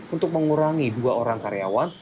untuk mengurangi dua orang karyawan